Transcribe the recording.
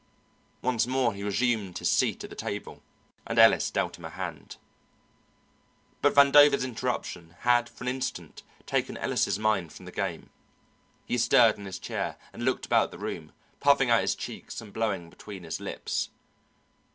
Once more he resumed his seat at the table, and Ellis dealt him a hand. But Vandover's interruption had for an instant taken Ellis' mind from the game. He stirred in his chair and looked about the room, puffing out his cheeks and blowing between his lips.